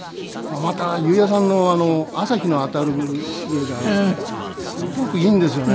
また裕也さんの『朝日のあたる家』がすごくいいんですよね。